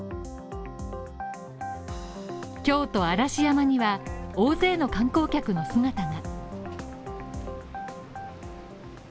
京都・嵐山には大勢の観光客の姿が。